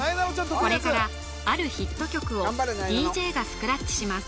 これからあるヒット曲をＤＪがスクラッチします